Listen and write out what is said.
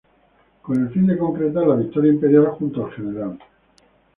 Con el fin de concretar la victoria imperial, junto al Gral.